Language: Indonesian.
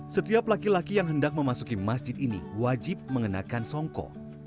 setiap laki laki yang hendak memasuki masjid ini wajib mengenakan songko